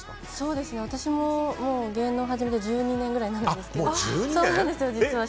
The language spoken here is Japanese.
私ももう芸能始めて１２年ぐらいになるんですけど実は。